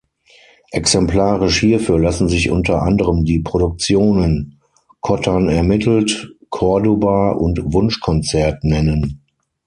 Exemplarisch hierfür lassen sich unter anderem die Produktionen Kottan ermittelt, Cordoba und Wunschkonzert nennen.